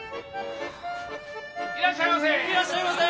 いらっしゃいませ！